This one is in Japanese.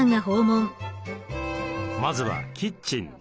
まずはキッチン。